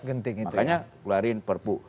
makanya keluarin perpu